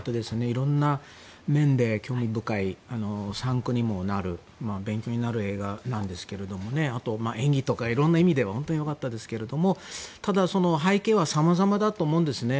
いろんな面で興味深い参考にもなる、勉強になる映画なんですけれどもあと、演技とかいろいろな意味で良かったですがただ、背景はさまざまだと思うんですね。